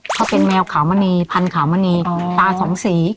เขาเป็นแมวขาวมณีพันขามณีตาสองสี